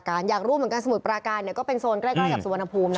อยากรู้เหมือนกันสมุทรปราการเนี่ยก็เป็นโซนใกล้กับสุวรรณภูมินะ